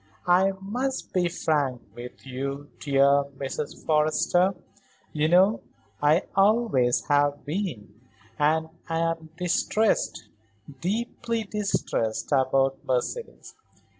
I must be frank with you, dear Mrs. Forrester; you know I always have been, and I'm distressed, deeply distressed about Mercedes.